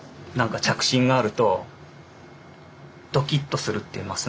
なんか着信があるとドキッとするっていう。